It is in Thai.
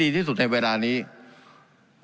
การปรับปรุงทางพื้นฐานสนามบิน